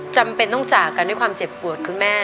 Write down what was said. จำเป็นต้องจากกันด้วยความเจ็บปวดคุณแม่